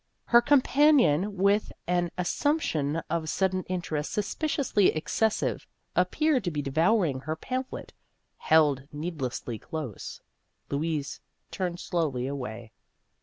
Her companion, with an as sumption of sudden interest suspiciously excessive, appeared to be devouring her pamphlet, held needlessly close. Louise turned slowly away.